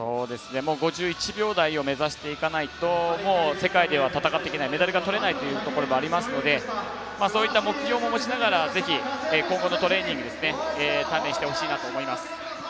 ５１秒台を目指していかないともう世界では戦っていけないメダルが取れないというところもありますのでそういった目標を持ちながら今後のトレーニング鍛練してほしいなと思います。